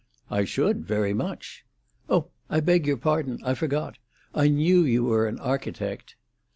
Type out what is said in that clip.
"I should, very much." "Oh, I beg your pardon; I forgot. I knew you were an architect."